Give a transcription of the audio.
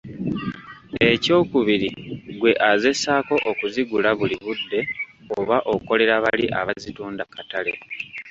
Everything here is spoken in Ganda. Ekyokubiri ggwe azessaako okuzigula buli budde oba okolera bali abazitunda katale.